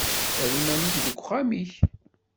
Err iman-ik deg uxxam-ik.